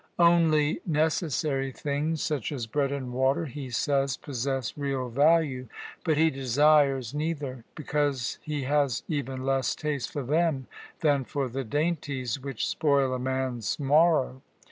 Only necessary things, such as bread and water, he says, possess real value; but he desires neither, because he has even less taste for them than for the dainties which spoil a man's morrow.